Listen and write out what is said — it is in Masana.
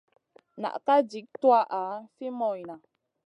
Na ka jik tuwaʼa fi moyna.